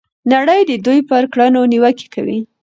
نړۍ د دوی پر کړنو نیوکې کوي.